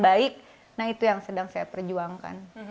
baik nah itu yang sedang saya perjuangkan